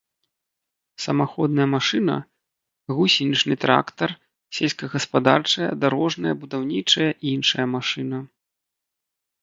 Самаходная машына — гусенічны трактар, сельскагаспадарчая, дарожная, будаўнічая, іншая машына